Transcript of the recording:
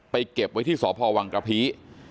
เก็บไว้ที่สพวังกระพี